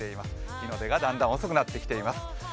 日の出がだんだん遅くなっています。